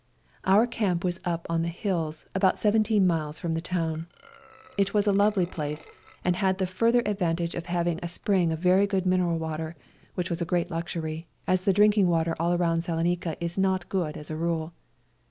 Our camp was up on the hills about seventeen miles from the town. It was a lovely place, and had the further advantage of having a spring of very good mineral water, which was a great luxury, as the drinking water around Salonica is not good as a rule.